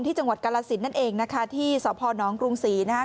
ที่จังหวัดกรรศิลป์นั่นเองนะคะที่สนกรุงศรีนะคะ